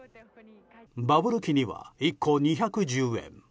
バブル期には１個２１０円。